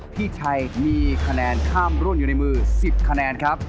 พี่ชัยมีคะแนนข้ามรุ่นอยู่ในมือ๑๐คะแนนครับ